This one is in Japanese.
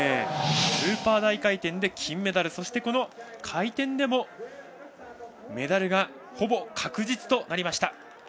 スーパー大回転で金メダルそして回転でもメダルがほぼ確実となりました。